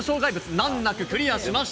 難なくクリアしました。